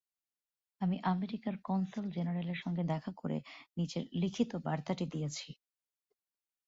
আমি আমেরিকার কনসাল জেনারেলের সঙ্গে দেখা করে নিচের লিখিত বার্তাটি দিয়েছি।